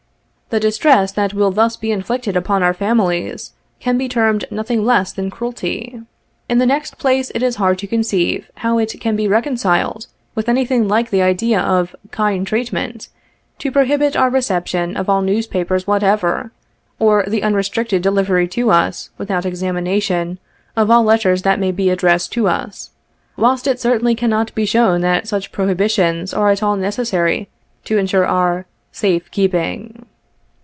The distress that will thus be inflicted upon our families, can be termed nothing less than cruelty. In the next place, it is hard to conceive how it can be reconciled, with anything like the idea of 'kind treat ment,' to prohibit our reception of all newspapers whatever, or the unrestricted delivery to us, without examination, of all letters that may be addressed to us ; whilst it certainly cannot be shown that such prohibitions are at all necessary to ensure our ' safe keeping.'